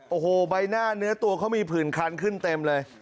โอ้โหใบหน้าเนื้อตัวเขามีผื่นคันขึ้นเต็มเลย